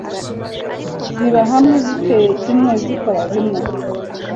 ziba hamwe ziteye kimwe zikora bimwe